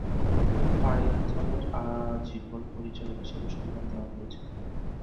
তাকে পাইথনের আজীবন পরিচালক হিসেবে সম্মান দেয়া হয়েছে।